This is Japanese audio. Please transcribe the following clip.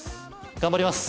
頑張ります！